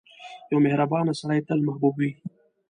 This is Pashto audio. • یو مهربان سړی تل محبوب وي.